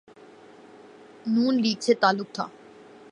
نون league سے تعلق تھا۔